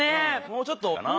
もうちょっとかな？